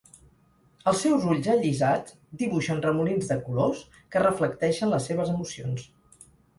Els seus ulls allisats dibuixen remolins de colors que reflecteixen les seves emocions.